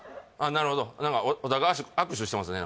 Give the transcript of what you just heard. なるほどお互い握手してますね